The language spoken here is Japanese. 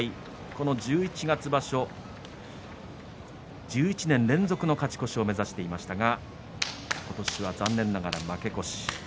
この十一月場所、１１年連続の勝ち越しを目指していましたがことしは残念ながら負け越し。